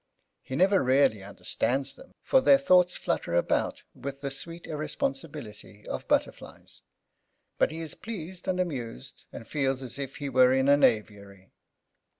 He never really understands them, for their thoughts flutter about with the sweet irresponsibility of butterflies; but he is pleased and amused and feels as if he were in an aviary.